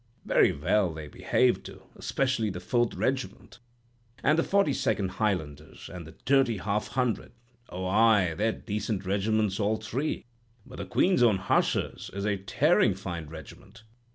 Very well they behaved, too—specially the Fourth Regiment, an' the Forty Second Highlanders, an' the Dirty Half Hundred. Oh, ay; they're decent regiments, all three. But the Queen's Own Hussars is a tearin' fine regiment.